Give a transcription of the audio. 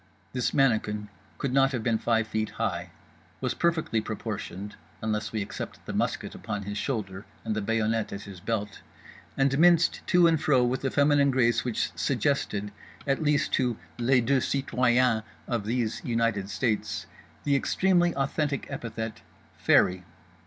This mannikin could not have been five feet high, was perfectly proportioned (unless we except the musket upon his shoulder and the bayonet at his belt), and minced to and fro with a feminine grace which suggested—at least to les deux citoyens of These United States—the extremely authentic epithet "fairy."